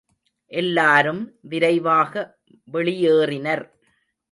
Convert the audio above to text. எல்லாரும் விரைவாக வெளியேறினர்.